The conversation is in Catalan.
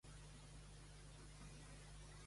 Hi ha algun lampista al carrer de Dalmases?